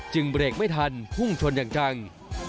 เบรกไม่ทันพุ่งชนอย่างจัง